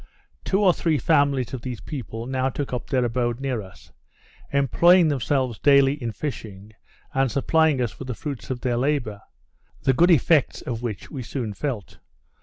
Two or three families of these people now took up their abode near us, employing themselves daily in fishing, and supplying us with the fruits of their labour; the good effects of which we soon felt.